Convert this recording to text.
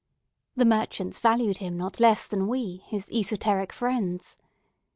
The merchants valued him not less than we, his esoteric friends.